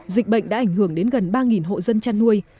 dịch bệnh đã ảnh hưởng đến gần ba hộ dân chăn nuôi